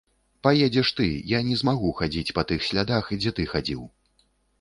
Паедзеш ты, я не змагу хадзіць па тых слядах, дзе ты хадзіў.